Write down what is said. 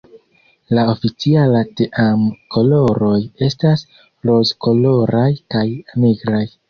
La oficiala team-koloroj estas rozkoloraj kaj nigraj.